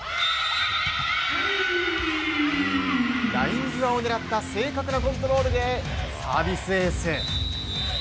ライン際を狙った正確なコントロールでサービスエース。